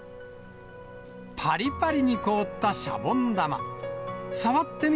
ぱりぱりに凍ったシャボン玉。